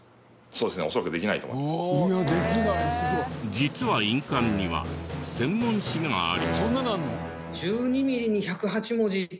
実は印鑑には専門誌があり。